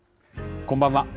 こんばんは。